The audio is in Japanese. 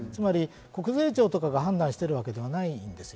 国税庁とかが判断しているわけではないんです。